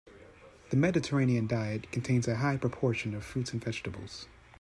The Mediterranean diet contains a high proportion of fruits and vegetables.